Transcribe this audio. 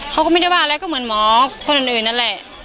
เขาก็ไม่ได้ว่าอะไรก็เหมือนหมอคนอื่นนั่นแหละ